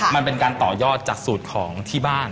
มันเป็นการต่อยอดจากสูตรของที่บ้าน